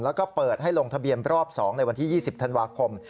แล้วก็เปิดให้ลงทะเบียนรอบ๒ในวันที่๒๐ธันวาคม